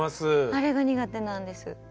あれが苦手なんです。